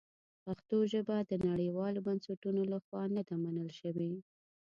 پښتو ژبه د نړیوالو بنسټونو لخوا نه ده منل شوې.